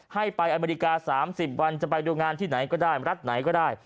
ให้ไปอเมริกา๓๐วันจะไปดูงานที่ไหนก็ได้รัฐไหนก็ได้